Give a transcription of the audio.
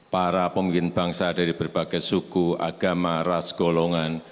para pemimpin bangsa dari berbagai suku agama ras golongan